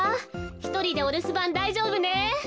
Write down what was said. ひとりでおるすばんだいじょうぶね？